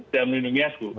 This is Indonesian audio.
dan melindungi aku